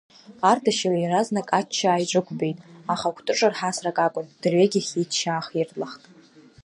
Ардашьыл иаразнак ачча ааиҿықәбеит, аха кәтыҿырҳасрак акәын, дырҩегьых ичча аахиртлахт.